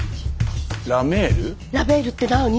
ラ・メールってなに？